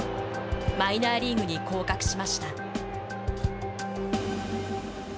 マイナーリーグに降格しました。